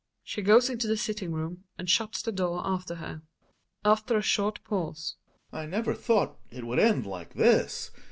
She goes into the sitting room and shuts the door after her, Gregers (after a short pause). I never thought it would end like this.